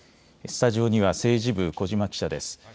スタジオには政治部小嶋記者です。